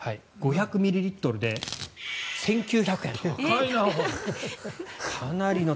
５００ミリリットルで１９００円。